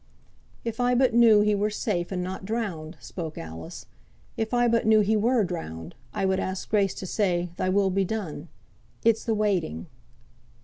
"If I but knew he were safe, and not drowned!" spoke Alice. "If I but knew he were drowned, I would ask grace to say, Thy will be done. It's the waiting."